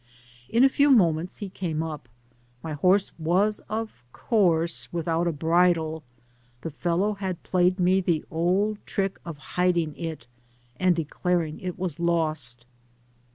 In a few moments he came up : my liorse was, of course, without a bidle; the fellow had played me the old trick of hiding it, and de daring it was lost.